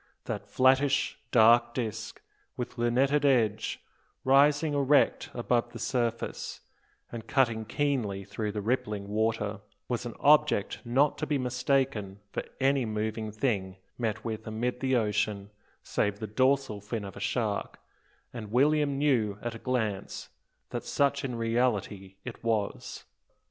That flattish, dark disc, with lunetted edge, rising erect above the surface, and cutting keenly through the rippling water, was an object not to be mistaken for any moving thing met with amid the ocean, save the dorsal fin of a shark, and William knew at a glance that such in reality it was.